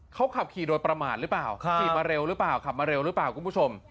เขาขับขี่โดยประมาทหรือเปล่าขี่มาเร็วหรือเปล่าขับมาเร็วหรือเปล่าคุณผู้ชม